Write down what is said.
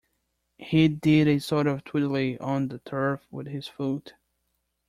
He did a sort of twiddly on the turf with his foot.